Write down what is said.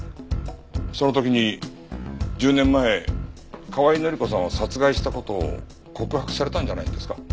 その時に１０年前河合範子さんを殺害した事を告白されたんじゃないんですか？